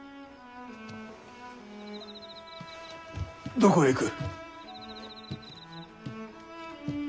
どこへ行く。